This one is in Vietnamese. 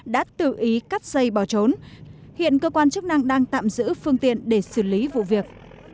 đã tự ý cắt dây bỏ trốn hiện cơ quan chức năng đang tạm giữ phương tiện để xử lý vụ việc